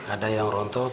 ada yang rontok